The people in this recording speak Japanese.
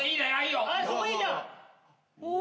・そこいいじゃん！お！